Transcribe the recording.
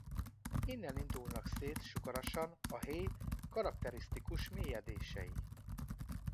Innen indulnak szét sugarasan a héj karakterisztikus mélyedései.